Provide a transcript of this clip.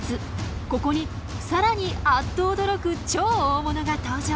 ここに更にあっと驚く超大物が登場！